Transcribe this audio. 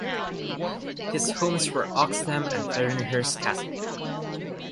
His homes were Oxnam and Ferniehirst Castle.